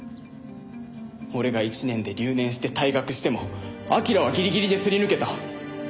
俺が１年で留年して退学しても彬はギリギリですり抜けた。